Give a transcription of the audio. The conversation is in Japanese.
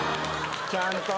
ちゃんとね。